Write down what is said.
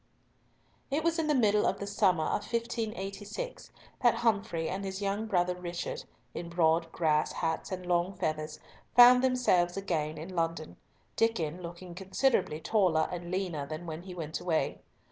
It was in the middle of the summer of 1586 that Humfrey and his young brother Richard, in broad grass hats and long feathers, found themselves again in London, Diccon looking considerably taller and leaner than when he went away.